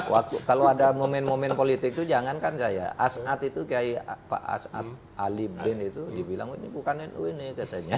waktu kalau ada momen momen politik itu jangan kan saya as'ad itu kiai pak as'ad ali bin itu dibilang ini bukan nu ini katanya